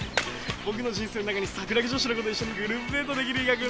僕の人生の中に桜木女子の子と一緒にグループデートできる日が来るなんて。